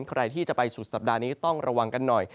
ใครที่จะไปสุดสัปดาห์นี้ต้องระวังกันหน่อย